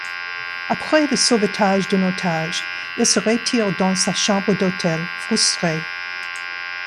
Après le sauvetage d'un otage, il se retire dans sa chambre d'hôtel, frustré.